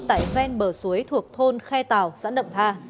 tại ven bờ suối thuộc thôn khe tàu xã nậm tha